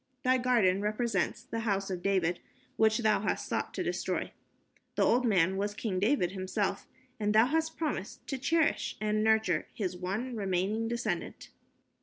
Thy garden represents the House of David which thou hast sought to destroy. The old man was King David himself, and thou hast promised to cherish and nurture his one remaining descendant."